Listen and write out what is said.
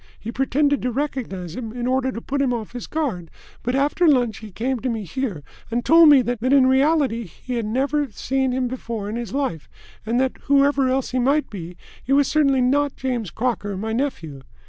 He pretended to recognise him, in order to put him off his guard, but after lunch he came to me here and told me that in reality he had never seen him before in his life, and that, whoever else he might be, he was certainly not James Crocker, my nephew."